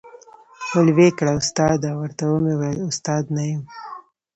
ول وې کړه ، استاده ، ورته ومي ویل استاد نه یم ،